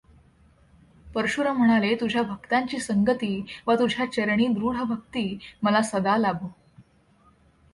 परशुराम म्हणाले तुझ्या भक्तांची संगती वा तुझ्या चरणी दृढ भक्ती मला सदा लाभो.